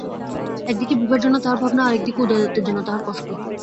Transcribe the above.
একদিকে বিভার জন্য তাঁহার ভাবনা, আর-একদিকে উদয়াদিত্যের জন্য তাঁহার কষ্ট।